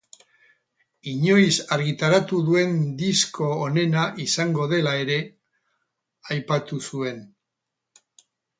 Inoiz argitaratu duen disko onena izango dela ere aipatu zuen.